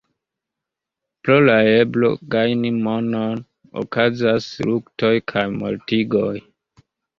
Pro la eblo gajni monon okazas luktoj kaj mortigoj.